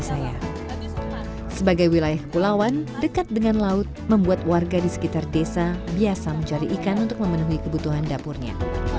sebagai wilayah pulauan dekat dengan laut membuat warga di sekitar desa biasa mencari ikan untuk memenuhi kebutuhan dapurnya